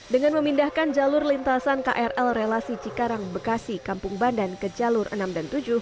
dengan memindahkan jalur lintasan krl relasi cikarang bekasi kampung bandan ke jalur enam dan tujuh